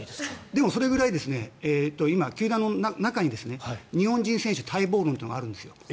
でもそれぐらい今、球団の中に日本人選手待望論というのがあるんですよ。